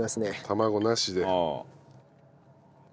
卵なしで。